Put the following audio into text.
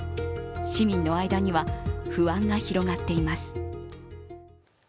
市民の間には不安が広がっています。